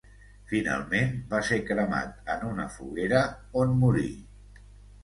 Finalment, va ser cremat en una foguera, on morí.